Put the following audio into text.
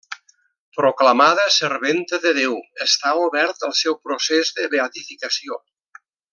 Proclamada serventa de Déu, està obert el seu procés de beatificació.